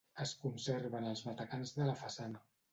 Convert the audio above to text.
Es conserven els matacans de la façana.